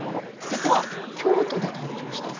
実は京都で誕生した。